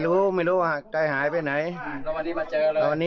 ทำกับไก่ชนสุดรัก